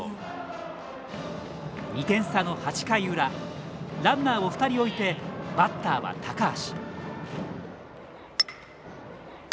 ２点差の８回裏ランナーを２人置いてバッターは高橋。